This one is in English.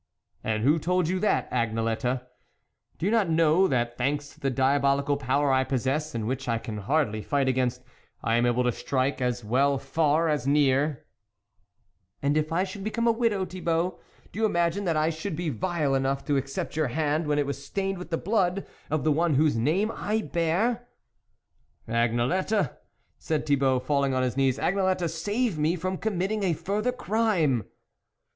" And who told you that, Agnelette ? do you not know that, thanks to the diabolical power I possess and which I can hardly fight against, I am able to strike as well far as near ?"" And if I should become a widow, Thibault, do you imagine that I should be vile enough to accept your hand when it was stained with the blood of the one whose name I bear ?" /'Agnelette," said Thibault falling on his knees, " Agnelette, save me from com mitting a further crime."